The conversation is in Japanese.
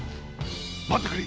待ってくれ！